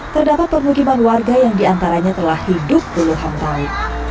terdapat permukiman warga yang diantaranya telah hidup berluhan tahu